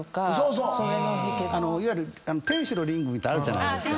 いわゆる天使のリングってあるじゃないですか。